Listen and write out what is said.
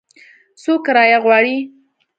څو کرایه غواړي ؟